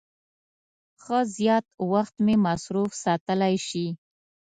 ښه زیات وخت مې مصروف ساتلای شي.